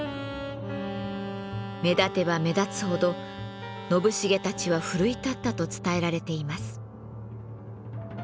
目立てば目立つほど信繁たちは奮い立ったと伝えられています。